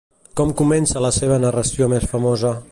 Com comença la seva narració més famosa?